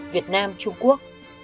việt nam trung quốc